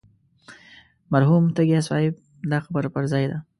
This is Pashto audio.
مرحوم تږي صاحب دا خبره پر ځای ده.